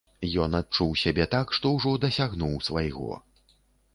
Ён адчуў сябе так, што ўжо дасягнуў свайго.